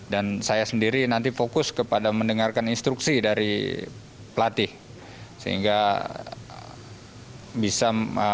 dan saya sendiri nanti fokus kepada mendengarkan instruksi dari pelatih sehingga bisa